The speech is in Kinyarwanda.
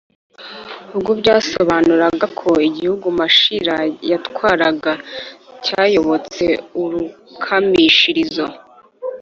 ubwo byasobanuraga ko igihugu mashira yatwaraga cyayobotse urukamishirizo.